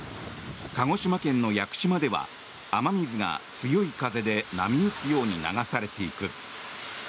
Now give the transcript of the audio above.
鹿児島県の屋久島では雨水が強い風で波打つように流されていく。